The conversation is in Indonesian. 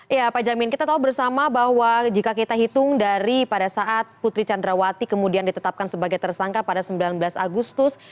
ya pak jamin kita tahu bersama bahwa jika kita hitung dari pada saat putri candrawati kemudian ditetapkan sebagai tersangka pada sembilan belas agustus